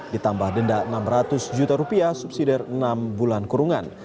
ditambah denda rp enam ratus juta rupiah subsidi enam bulan kurungan